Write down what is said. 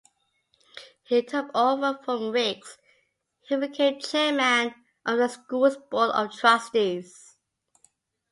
He took over from Riggs, who became chairman of the school's board of trustees.